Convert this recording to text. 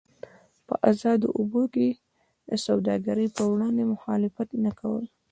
په ازادو اوبو کې د سوداګرۍ پر وړاندې مخالفت نه کول.